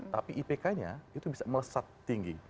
tapi ipk nya itu bisa melesat tinggi